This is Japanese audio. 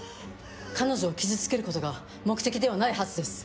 彼女を傷つけることが目的ではないはずです。